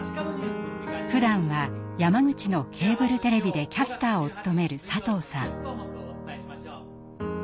ふだんは山口のケーブルテレビでキャスターを務める佐藤さん。